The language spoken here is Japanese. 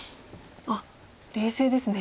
あっ冷静ですね。